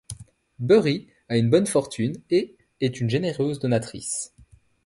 Bury a une bonne fortune et est une généreuse donatrice.